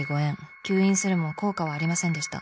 吸引するも効果はありませんでした。